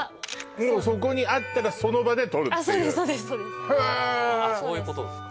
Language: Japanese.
もうそこにあったらその場で撮るっていうそうです